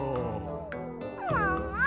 もも！